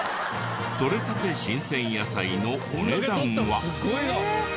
採れたて新鮮野菜のお値段は？